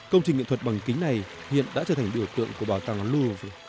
công trình nghệ thuật bằng kính này hiện đã trở thành biểu tượng của bảo tàng loure